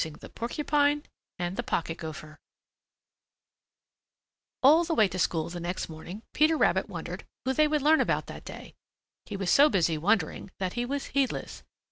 CHAPTER X Prickly Porky and Grubby Gopher All the way to school the next morning Peter Rabbit wondered who they would learn about that day. He was so busy wondering that he was heedless.